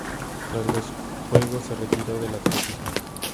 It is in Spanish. Tras los Juegos se retiró del atletismo.